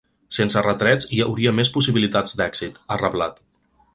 Sense retrets hi hauria més possibilitats d’èxit, ha reblat.